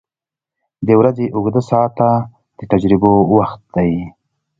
• د ورځې اوږده ساعته د تجربو وخت دی.